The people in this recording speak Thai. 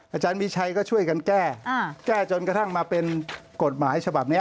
อาจารย์มีชัยก็ช่วยกันแก้แก้จนกระทั่งมาเป็นกฎหมายฉบับนี้